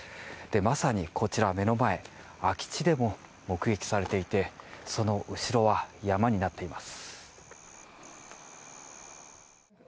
まさにこちら、目の前空き地でも目撃されていてその後ろは、山になっています。